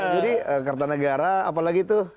jadi kertanegara apalagi itu